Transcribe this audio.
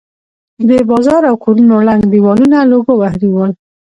د بازار او کورونو ړنګ دېوالونه لوګو وهلي ول.